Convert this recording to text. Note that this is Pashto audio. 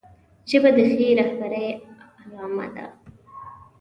ژبه د ښې رهبرۍ علامه ده